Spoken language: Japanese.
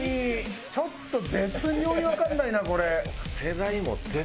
ちょっと絶妙にわかんないなこれ。